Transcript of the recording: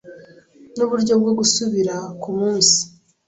Nuburyo bwo gusubira kumunsi